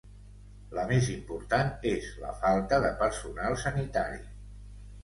La més important és la falta de personal sanitari.